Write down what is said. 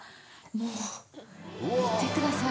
もう、見てください。